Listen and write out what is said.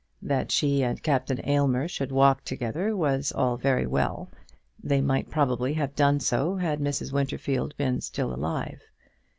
That she and Captain Aylmer should walk together was all very well. They might probably have done so had Mrs. Winterfield been still alive.